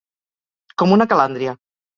Com una calàndria.